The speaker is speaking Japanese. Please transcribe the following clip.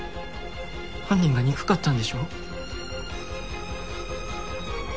犯人が憎かったんでしょう？